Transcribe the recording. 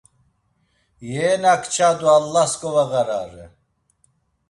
Yena ǩç̌adu Allas govağarare.